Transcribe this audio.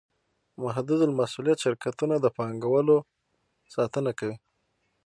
محدودالمسوولیت شرکتونه د پانګوالو ساتنه کوي.